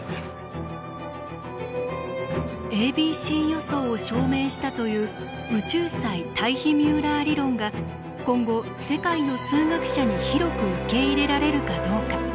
ａｂｃ予想を証明したという宇宙際タイヒミューラー理論が今後世界の数学者に広く受け入れられるかどうか。